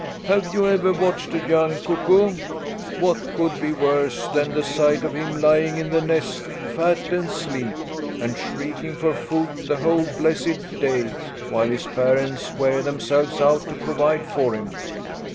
Have you ever watched a young cuckoo? What could be worse than the sight of him lying in the nest, fat and sleek, and shrieking for food the whole blessed day while his parents wear themselves out to provide for him?